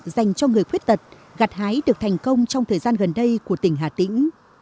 dành cho người khuyết tật gặt hái được thành công trong thời gian gần đây của tỉnh hà tĩnh